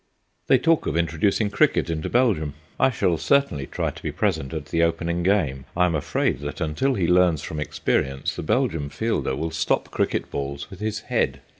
They talk of introducing cricket into Belgium; I shall certainly try to be present at the opening game. I am afraid that, until he learns from experience, the Belgian fielder will stop cricket balls with his head.